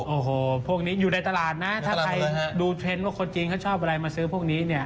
โอ้โหพวกนี้อยู่ในตลาดนะถ้าใครดูเทรนด์ว่าคนจีนเขาชอบอะไรมาซื้อพวกนี้เนี่ย